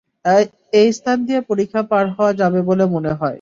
এ স্থান দিয়ে পরিখা পার হওয়া যাবে বলে মনে হয়।